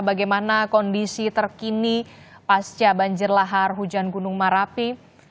bagaimana kondisi terkini pasca banjir lahar hujan gunung merapi